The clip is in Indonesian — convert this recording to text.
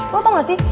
lo tau gak sih